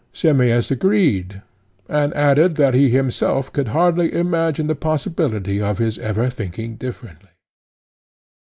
Simmias agreed, and added that he himself could hardly imagine the possibility of his ever thinking differently.